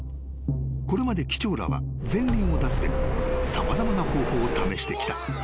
［これまで機長らは前輪を出すべく様々な方法を試してきた］